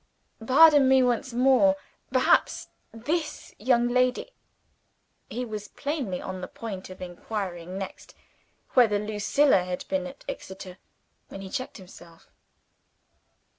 "Pardon me, once more. Perhaps this young lady ?" He was plainly on the point of inquiring next, whether Lucilla had been at Exeter when he checked himself.